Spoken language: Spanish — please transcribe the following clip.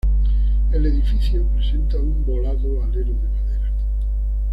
El edificio presenta un volado alero de madera.